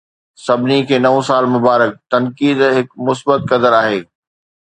سڀني کي نئون سال مبارڪ! تنقيد هڪ مثبت قدر آهي.